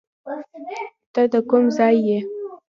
ته ده کوم ځای یې